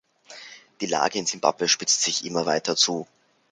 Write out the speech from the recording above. Die Lage in Simbabwe spitzt sich immer weiter zu.